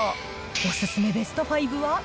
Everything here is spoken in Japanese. お勧めベスト５は？